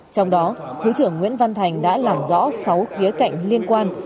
trong đó thứ trưởng nguyễn văn thành đã làm rõ sáu khía cạnh liên quan